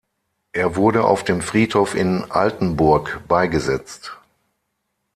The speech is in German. Er wurde auf dem Friedhof in Altenburg beigesetzt.